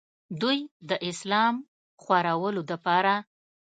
دوي د اسلام خورولو دپاره